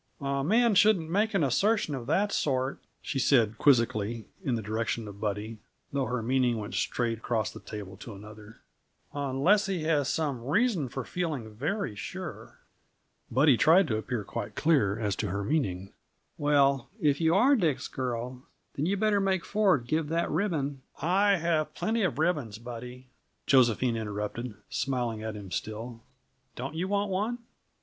"A man shouldn't make an assertion of that sort," she said quizzically, in the direction of Buddy though her meaning went straight across the table to another "unless he has some reason for feeling very sure." Buddy tried to appear quite clear as to her meaning. "Well, if you are Dick's girl, then you better make Ford give that ribbon " "I have plenty of ribbons, Buddy," Josephine interrupted, smiling at him still. "Don't you want one?"